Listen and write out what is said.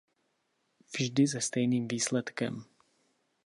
Vždy se stejným výsledkem.